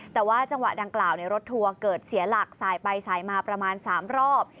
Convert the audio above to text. แต่ว่าจังหวะดังกล่าวในรถทัวร์เกิดเสียหลักสายไปสายมาประมาณ๓รอบ